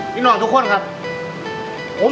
ฟินอร์นทุกคนครับ